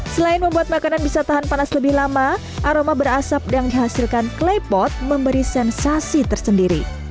selain membuat makanan bisa tahan panas lebih lama aroma berasap yang dihasilkan klepot memberi sensasi tersendiri